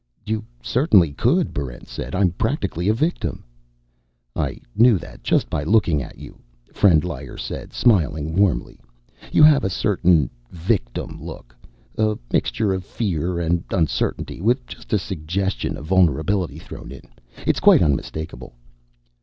"You certainly could," Barrent said. "I'm practically a victim." "I knew that just by looking at you," Frendlyer said, smiling warmly. "You have a certain victim look; a mixture of fear and uncertainty with just a suggestion of vulnerability thrown in. It's quite unmistakable."